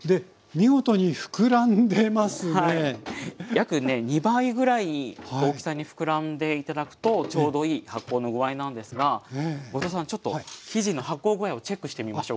約ね２倍ぐらい大きさにふくらんで頂くとちょうどいい発酵の具合なんですが後藤さんちょっと生地の発酵具合をチェックしてみましょうか。